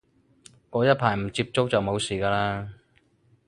過一排唔接觸就冇事嘅喇